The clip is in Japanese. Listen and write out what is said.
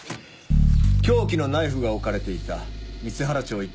凶器のナイフが置かれていた光原町